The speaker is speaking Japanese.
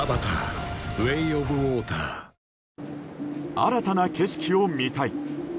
新たな景色を見たい。